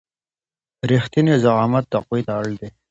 رښتينی زعامت تقوی ته اړ دی.